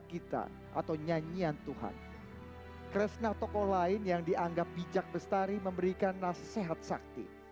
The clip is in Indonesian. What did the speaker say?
kita atau nyanyian tuhan kresna tokoh lain yang dianggap bijak bestari memberikan nasihat sakti